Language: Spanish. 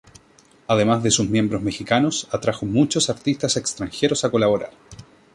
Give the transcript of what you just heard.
Además de sus miembros Mexicanos, atrajo muchos artistas extranjeros a colaborar.